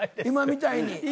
今みたいに。